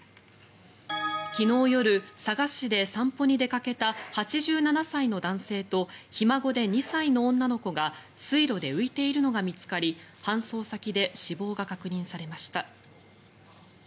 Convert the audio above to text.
昨日夜、佐賀市で散歩に出かけた８７歳の男性とひ孫で２歳の女の子が水路で浮いているのが見つかり搬送先で死亡が確認されました。